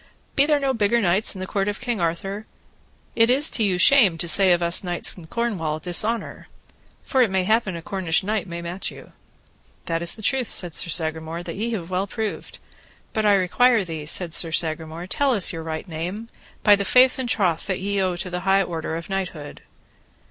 Be there no bigger knights in the court of King Arthur? it is to you shame to say of us knights of Cornwall dishonour, for it may happen a Cornish knight may match you. That is truth, said Sir Sagramore, that have we well proved; but I require thee, said Sir Sagramore, tell us your right name, by the faith and troth that ye owe to the high order of knighthood.